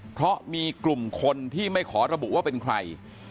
เพราะมีกลุ่มคนที่ไม่ขอระบุว่าเป็นใคร